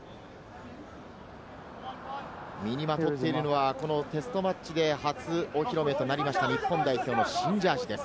身にまとっているのはテストマッチで初お披露目となりました日本代表の新ジャージーです。